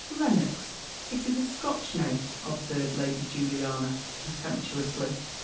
"Lennox! it is a Scotch name," observed Lady Juliana contemptuously.